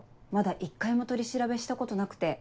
一回も取り調べしたことなくて。